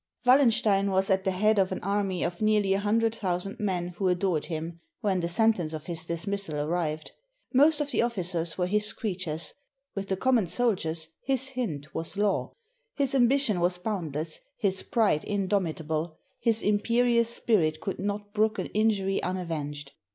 ] Wallenstein was at the head of an army of nearly a hundred thousand men who adored him, when the sen tence of his dismissal arrived. Most of the ofl&cers were his creatures — with the common soldiers his hint was law. His ambition was boundless, his pride indomitable, his imperious spirit could not brook an injury unavenged.